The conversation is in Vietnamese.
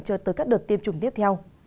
chờ tới các đợt tiêm chủng tiếp theo